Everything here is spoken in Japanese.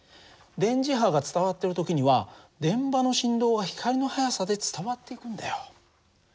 電磁波が伝わってる時には電場の振動が光の速さで伝わっていくんだよ。